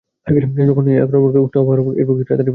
যখন এরকমটা ঘটবে, উষ্ণ আবহাওয়ার এই প্রকৃতি রাতারাতি বদলে যাবে।